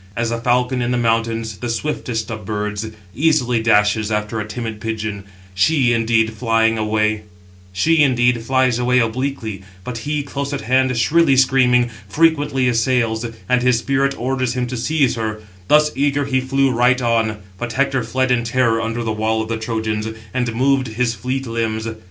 As a falcon in the mountains, the swiftest of birds, easily dashes after a timid pigeon; she, indeed, flies away obliquely; but he, close at hand, shrilly screaming, frequently assails, and his spirit orders him to seize her: thus, eager, he flew right on; but Hector fled in terror under the wall of the Trojans, and moved his fleet limbs.